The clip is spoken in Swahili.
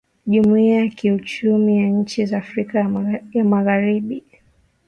Jumuia ya kiuchumi ya nchi za Afrika ya magharibi